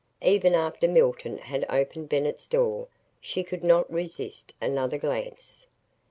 Even after Milton had opened Bennett's door, she could not resist another glance.